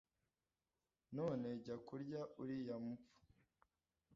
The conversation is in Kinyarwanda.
none jya kurya uriya mupfu.